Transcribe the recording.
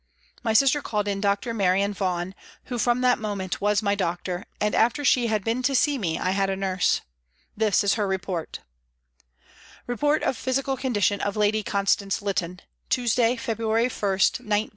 My sister called in Dr. Marion Vaughan, who from that moment was my doctor, and after she had been to see me I had a nurse. This is her report : THE HOME OFFICE 301 " REPORT OF PHYSICAL CONDITION OF LADY CONSTANCE LYTTON. " Tuesday, February 1, 1910.